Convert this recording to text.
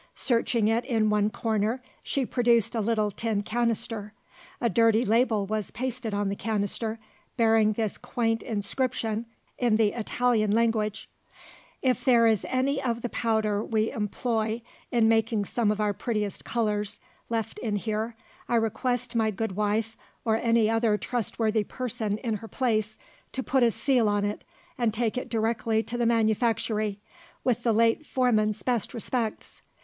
Searching it in one corner, she produced a little tin canister. A dirty label was pasted on the canister, bearing this quaint inscription in the Italian language: "If there is any of the powder we employ in making some of our prettiest colours, left in here, I request my good wife, or any other trustworthy person in her place, to put a seal on it, and take it directly to the manufactory, with the late foreman's best respects.